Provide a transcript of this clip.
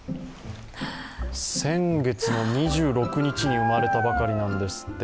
先月の２６日に生まれたばかりなんですって。